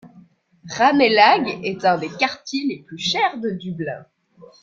Ranelagh est un des quartiers les plus chers de Dublin.